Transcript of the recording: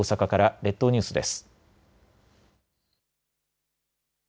列島ニュースです。